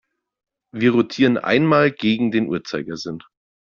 Wir rotieren einmal gegen den Uhrzeigersinn.